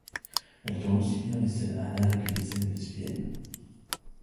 Elle tourne aussi bien des scènes anales que des scènes lesbiennes.